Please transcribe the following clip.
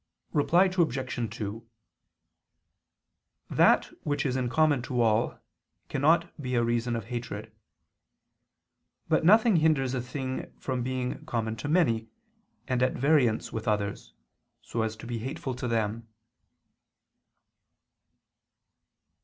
Reply Obj. 2: That which is common to all cannot be a reason of hatred. But nothing hinders a thing from being common to many, and at variance with others, so as to be hateful to them.